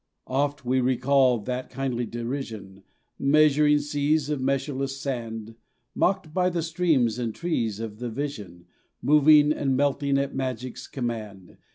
Oft we recalled that kindly derision, Measuring seas of measureless sand, Mocked by the streams and trees of the vision Moving and melting at magic's command.